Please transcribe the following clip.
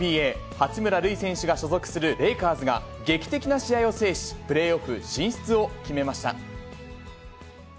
八村塁選手が所属するレイカーズが、劇的な試合を制し、プレーオフ進出を決めました。